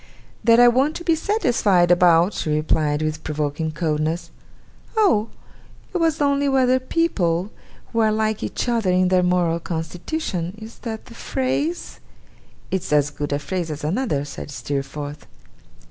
'That I want to be satisfied about?' she replied, with provoking coldness. 'Oh! It was only whether people, who are like each other in their moral constitution is that the phrase?' 'It's as good a phrase as another,' said Steerforth.